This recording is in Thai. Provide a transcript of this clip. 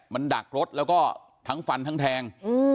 มันดักรถแล้วก็ทั้งฟันทั้งแทง